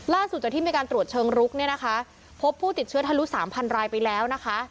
จากที่มีการตรวจเชิงรุกเนี่ยนะคะพบผู้ติดเชื้อทะลุ๓๐๐รายไปแล้วนะคะ